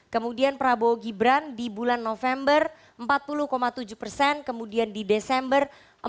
kemudian prabowo gibran di bulan november empat puluh tujuh persen kemudian di desember